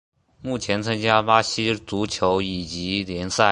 目前参加巴西足球乙级联赛。